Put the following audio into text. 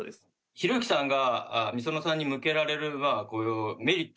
ひろゆきさんがｍｉｓｏｎｏさんに向けられるメリット